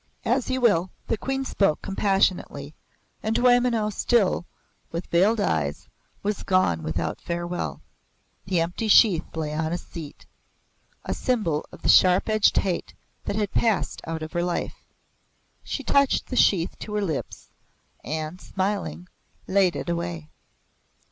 "As you will." The Queen spoke compassionately, and Dwaymenau, still with veiled eyes, was gone without fare well. The empty sheath lay on the seat a symbol of the sharp edged hate that had passed out of her life. She touched the sheath to her lips and, smiling, laid it away.